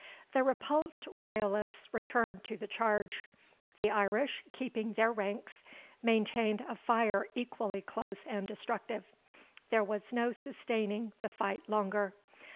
The repulsed Royalists returned to the charge; the Irish, keeping their ranks, maintained a fire equally close and destructive. There was no sustaining the fight longer.